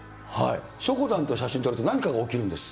しょこたんと写真撮ると何か起きるんです。